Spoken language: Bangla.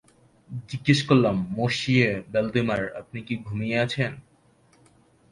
জিগ্যেস করলাম, মঁশিয়ে ভ্যালডিমার আপনি কি ঘুমিয়ে আছেন?